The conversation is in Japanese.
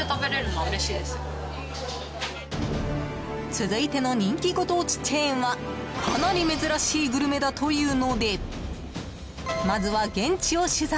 続いての人気ご当地チェーンはかなり珍しいグルメだというのでまずは現地を取材。